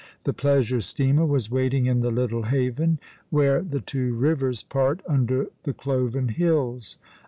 The pleasure steamer was waiting in the little haven, where the two rivers part under the cloven hills.